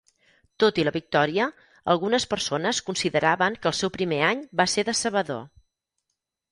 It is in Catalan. Tot i la victòria, algunes persones consideraven que el seu primer any va ser decebedor.